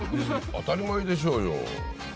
当たり前でしょうよ。